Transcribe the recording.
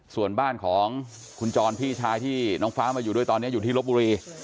ส่วนบ้านของคุณจรพี่ชายที่น้องฟ้ามาอยู่ด้วยตอนนี้อยู่ที่ลบบุรี